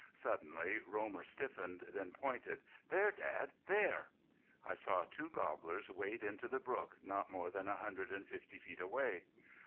Suddenly Romer stiffened, then pointed. "There! Dad! There!" I saw two gobblers wade into the brook not more than a hundred and fifty feet away.